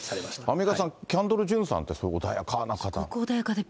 アンミカさん、キャンドル・ジュンさんっていう方、すごく穏やかな方。